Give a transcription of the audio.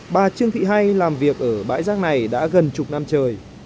bà trương thị hay làm việc ở bãi rác này đã gần chục năm trời